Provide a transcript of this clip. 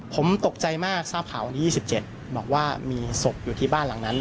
ผมตกใจมากทราบข่าววันที่๒๗บอกว่ามีศพอยู่ที่บ้านหลังนั้น